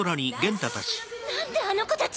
何であの子たち！